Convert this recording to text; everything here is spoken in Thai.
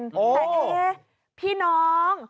แต่พี่น้อง